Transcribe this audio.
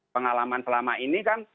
pengalaman selama ini kan